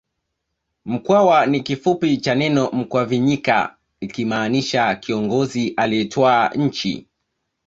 Mkwawa ni kifupi cha neno Mukwavinyika likimaanisha kiongozi aliyetwaa nchi